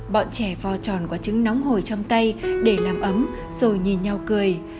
bọn trẻ vo tròn qua trứng nóng hồi trong tay để làm ấm rồi nhìn nhau cười